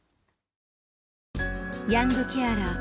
ヤングケアラー。